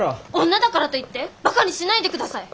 女だからといってバカにしないでください！